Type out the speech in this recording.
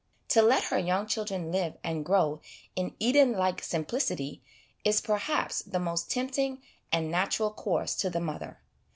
To let her young child live and grow in Eden like simplicity is, perhaps, the most tempting and natural course to the mother.